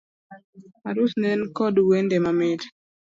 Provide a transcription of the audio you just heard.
Arus ne nikod wende mamit